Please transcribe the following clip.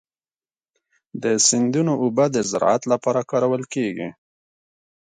د سیندونو اوبه د زراعت لپاره کارول کېږي.